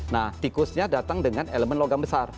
nah tikusnya datang dengan elemen logam besar